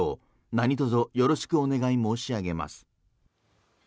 何卒よろしくお願い申し上げます。